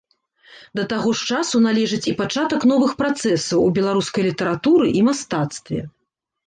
Да таго ж часу належыць і пачатак новых працэсаў у беларускай літаратуры і мастацтве.